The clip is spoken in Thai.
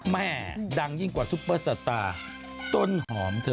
แม่ดังยิ่งกว่าซุปเปอร์สตาร์ต้นหอมเธอ